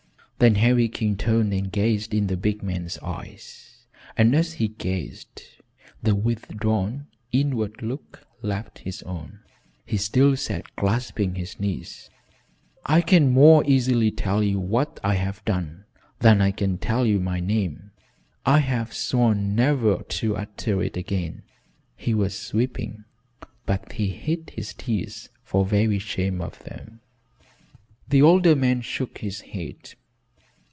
Then Harry King turned and gazed in the big man's eyes, and as he gazed, the withdrawn, inward look left his own. He still sat clasping his knees. "I can more easily tell you what I have done than I can tell you my name. I have sworn never to utter it again." He was weeping, but he hid his tears for very shame of them. The older man shook his head.